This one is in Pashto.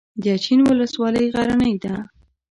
د اچین ولسوالۍ غرنۍ ده